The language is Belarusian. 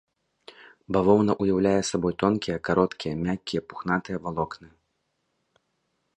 Бавоўна ўяўляе сабой тонкія, кароткія, мяккія пухнатыя валокны.